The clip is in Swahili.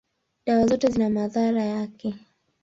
dawa zote zina madhara yake.